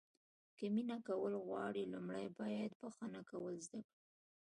که مینه کول غواړو لومړی باید بښنه کول زده کړو.